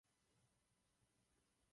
Ústava Česka ji vůbec nezmiňuje.